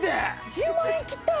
１０万円切った！